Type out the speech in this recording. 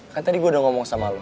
kan tadi gue udah ngomong sama lo